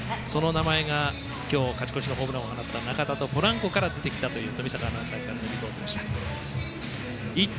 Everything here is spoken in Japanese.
その名前が今日勝ち越しのホームランを放った中田とポランコから出てきたという冨坂アナウンサーのリポート。